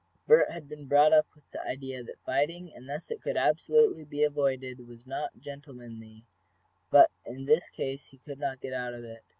Bert had been brought up with the idea that fighting, unless it could absolutely be avoided, was not gentlemanly, but in this case he could not get out of it.